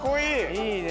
いいね。